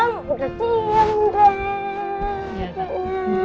udah diam dah